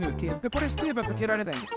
これしてればかけられないんで。